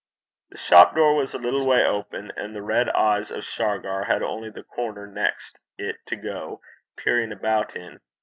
The shop door was a little way open, and the red eyes of Shargar had only the corner next it to go peering about in.